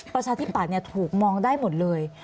ประชาธิปัตย์ถูกมองได้หมดเลย